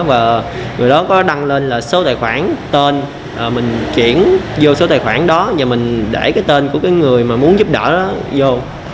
và người đó có đăng lên là số tài khoản tên mình chuyển vô số tài khoản đó và mình để cái tên của cái người mà muốn giúp đỡ đó vô